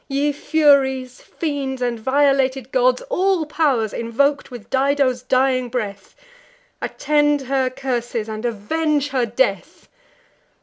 Ye Furies, fiends, and violated gods, All pow'rs invok'd with Dido's dying breath, Attend her curses and avenge her death!